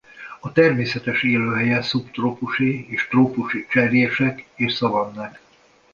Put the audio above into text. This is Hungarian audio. A természetes élőhelye szubtrópusi és trópusi cserjések és szavannák.